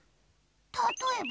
たとえば？